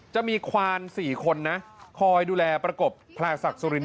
จะมีควาน๔คนนะคอยดูแลประกบพลางศักดิ์สุรินท